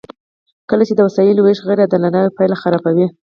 کله چې د وسایلو ویش غیر عادلانه وي پایله خرابه وي.